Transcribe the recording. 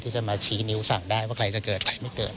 จะมาชี้นิ้วสั่งได้ว่าใครจะเกิดใครไม่เกิด